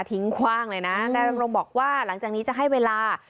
คว่างเลยนะนายดำรงบอกว่าหลังจากนี้จะให้เวลา